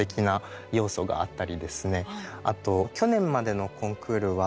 あと去年までのコンクールはですね